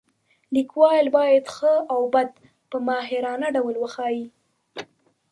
لیکوال باید ښه او بد په ماهرانه ډول وښایي.